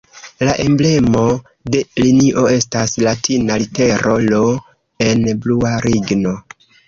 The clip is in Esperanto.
La emblemo de linio estas latina litero "I" en blua ringo.